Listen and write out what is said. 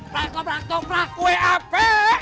prangkot prangkot prangkot kue api